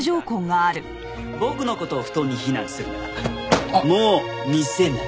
僕の事を不当に非難するならもう見せない。